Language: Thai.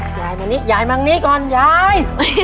ยายมานี้ยายมาตรงนี้ก่อนยาย